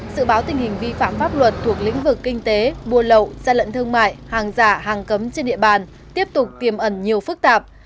sự báo tình hình vi phạm pháp luật thuộc lĩnh vực kinh tế buôn lậu gian lận thương mại hàng giả hàng cấm trên địa bàn tiếp tục tiềm ẩn nhiều phức tạp